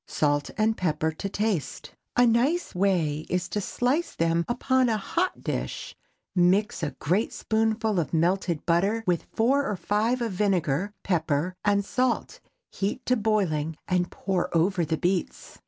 Salt and pepper to taste. A nice way is to slice them upon a hot dish, mix a great spoonful of melted butter with four or five of vinegar, pepper and salt, heat to boiling, and pour over the beets.